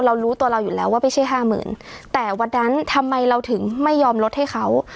รู้ตัวเราอยู่แล้วว่าไม่ใช่ห้าหมื่นแต่วันนั้นทำไมเราถึงไม่ยอมลดให้เขา